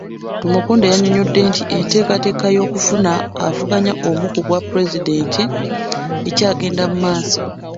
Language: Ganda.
Tumukunde yannyonnyodde nti enteekateeka y'okufuna avuganya omu ku bwapulezidenti ekyagenda mu maaso.